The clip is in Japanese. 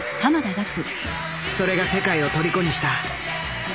それが世界をとりこにした。